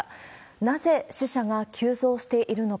なぜ死者が急増しているのか。